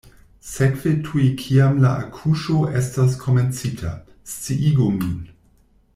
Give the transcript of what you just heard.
Sekve tuj kiam la akuŝo estos komencita, sciigu min.